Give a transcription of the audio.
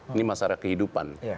ini masalah kehidupan